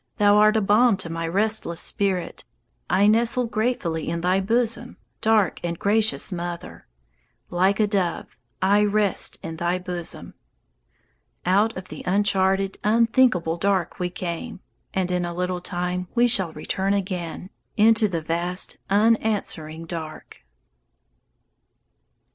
Thou art a balm to my restless spirit, I nestle gratefully in thy bosom, Dark, gracious mother! Like a dove, I rest in thy bosom. _Out of the uncharted, unthinkable dark we came, And in a little time we shall return again Into the vast, unanswering dark.